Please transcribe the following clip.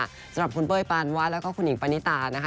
สำหรับคุณเป้ยปานวาดแล้วก็คุณหญิงปณิตานะคะ